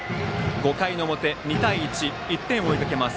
５回の表、２対１１点を追いかけます